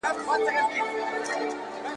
مړ سړي په ډګر کي ږدن او اتڼ نه خوښول.